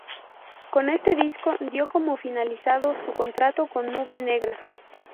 Con este disco dio como finalizado su contrato con Nube Negra.